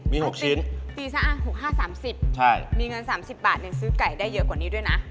มี๖ชิ้นปีซะ๖๕๓๐มีเงิน๓๐บาทยังซื้อไก่ได้เยอะกว่านี้ด้วยนะ